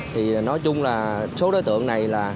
thì nói chung là số đối tượng này